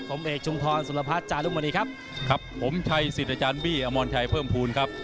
ผมเอกชุมพรสุรพัฒน์จารุมณีครับครับผมชัยสิทธิ์อาจารย์บี้อมรชัยเพิ่มภูมิครับ